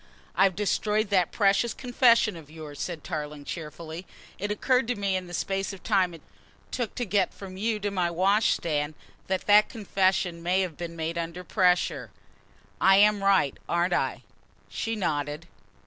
"I've destroyed that precious confession of yours," said Tarling cheerfully. "It occurred to me in the space of time it took to get from you to my wash stand, that that confession may have been made under pressure. I am right, aren't I?" She nodded.